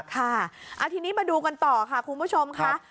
ค่ะทีนี้มาดูกันต่อค่ะคุณผู้ชมค่ะ